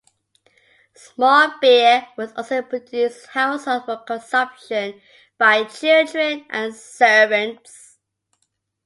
Small beer was also produced in households for consumption by children and servants.